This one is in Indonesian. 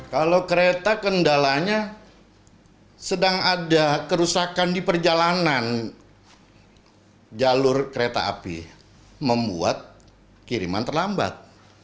kalau kereta kendalanya sedang ada kerusakan di perjalanan jalur kereta api membuat kiriman terlambat